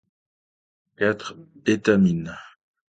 Quatre étamines.